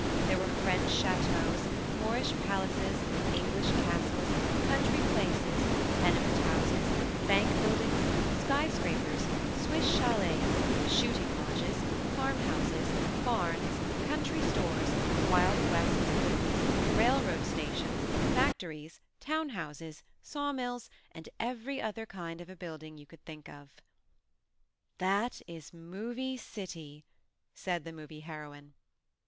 There were French chateaux, Moorish palaces, English castles, country places, tenement houses, bank build ings, sky scrapers, Swiss chalets, shooting lodges, farmhouses, barns, country stores, Wild West saloons, railroad stations, fac tories, town houses, sawmills and every other kind of a building you could think of. "That is Movie City," said the Movie Heroine.